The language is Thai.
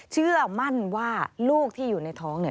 เชื่อมั่นว่าลูกที่อยู่ในท้องเนี่ย